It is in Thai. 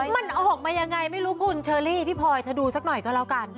มันออกมายังไงไม่รู้คุณเชอรี่พี่พลอยเธอดูสักหน่อยก็แล้วกัน